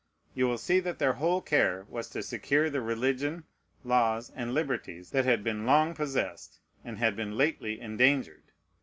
You will see that their whole care was to secure the religion, laws, and liberties that had been long possessed, and had been lately endangered.